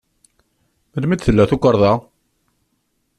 Melmi d-tella tukerḍa?